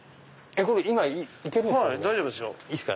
今行けるんですか？